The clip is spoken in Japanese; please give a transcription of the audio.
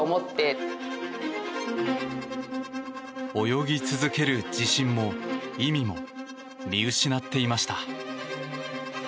泳ぎ続ける自信も、意味も見失っていました。